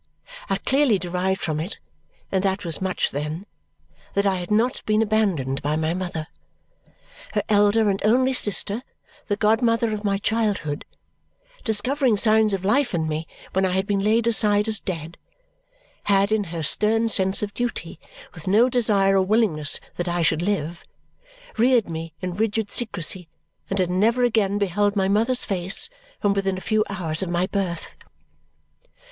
I clearly derived from it and that was much then that I had not been abandoned by my mother. Her elder and only sister, the godmother of my childhood, discovering signs of life in me when I had been laid aside as dead, had in her stern sense of duty, with no desire or willingness that I should live, reared me in rigid secrecy and had never again beheld my mother's face from within a few hours of my birth.